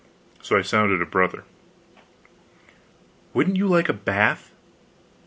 So I sounded a Brother: "Wouldn't you like a bath?"